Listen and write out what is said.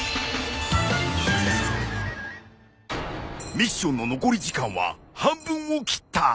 ミッションの残り時間は半分をきった。